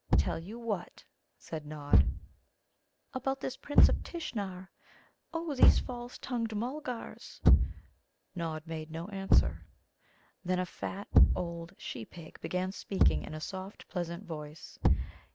"Tell you what?" said Nod. "About this Prince of Tishnar. Oh, these false tongued Mulgars!" Nod made no answer. Then a fat old she pig began speaking in a soft, pleasant voice.